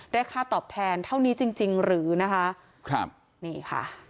ค่าตอบแทนเท่านี้จริงจริงหรือนะคะครับนี่ค่ะ